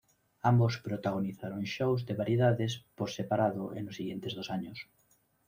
Ambos protagonizaron shows de variedades por separado en los siguientes dos años.